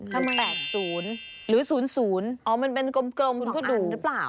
ทำไมหรือ๐๐คุณก็ดูอ๋อมันเป็นกลม๒อันหรือเปล่า